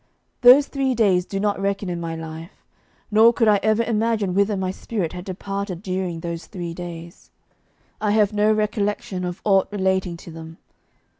Those three days do not reckon in my life, nor could I ever imagine whither my spirit had departed during those three days; I have no recollection of aught relating to them.